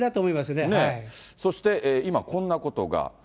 そして今、こんなことが。